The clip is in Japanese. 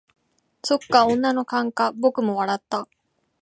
「そっか、女の勘か」僕も笑った。